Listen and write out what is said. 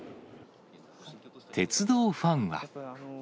鉄道ファンは。